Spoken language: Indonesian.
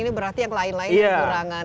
ini berarti yang lain lain kekurangan